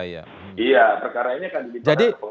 iya perkara ini akan dilimpahkan ke pengadilan